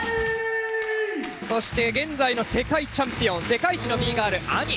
そして現在の世界チャンピオン世界一のＢガールＡＭＩ。